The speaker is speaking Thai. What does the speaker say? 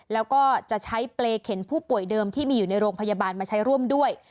แล้วก็จะใช้เปรย์เข็นผู้ป่วยเดิมที่มีอยู่ในโรงพยาบาลมาใช้ร่วมด้วย